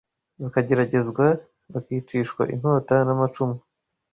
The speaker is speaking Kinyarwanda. Bakageragezwa bakicishwa inkota n’ amacumu